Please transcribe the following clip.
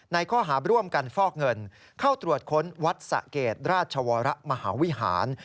ในข้อหาร่วมกันฟอกเงินเข้าตรวจค้นวัดสะเกดราชวรมหาวิหาร